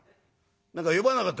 「何か呼ばなかった？